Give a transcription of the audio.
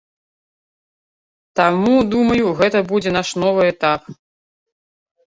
Таму, думаю, гэта будзе наш новы этап.